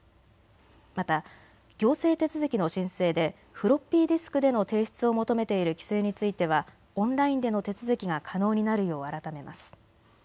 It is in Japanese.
また行政手続きの申請でフロッピーディスクでの提出を求めている規制についてはオンラインでの手続きが可能になるよう改めます。